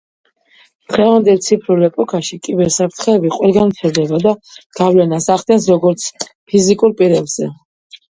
დღევანდელ ციფრულ ეპოქაში კიბერ საფრთხეები ყველგან ვრცელდება და გავლენას ახდენს როგორც ფიზიკურ პირებზე.